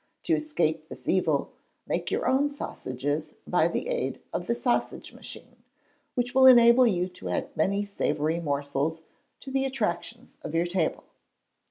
To escape this evil, make your own sausages by the aid of the sausage machine, which will enable you to add many savoury morsels to the attractions of your table.